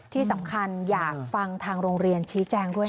ที่สำคัญอยากฟังทางโรงเรียนชี้แจงด้วย